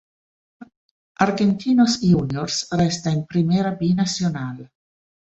Argentinos Juniors resta in Primera B Nacional.